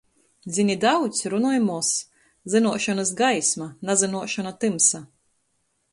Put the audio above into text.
Zyni daudz, runoj moz. Zynuošonys - gaisma, nazynuošona - tymsa.